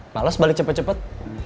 males balik cepet cepet